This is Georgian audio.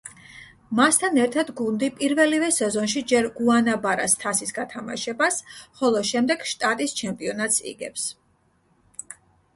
მასთან ერთად გუნდი პირველივე სეზონში ჯერ გუანაბარას თასის გათამაშებას, ხოლო შემდეგ შტატის ჩემპიონატს იგებს.